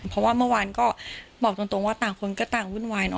เพราะว่าเมื่อวานก็บอกตรงว่าต่างคนก็ต่างวุ่นวายเนอ